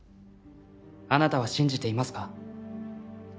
あなたは信じていますか？